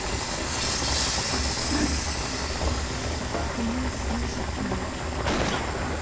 この数日後。